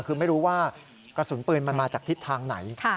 คือไม่รู้ว่ากระสุนปืนมันมาจากทิศทางไหน